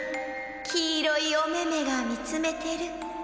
「きいろいおめめがみつめてる。